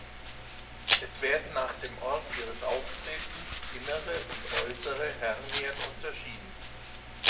Es werden nach dem Ort ihres Auftretens innere und äußere Hernien unterschieden.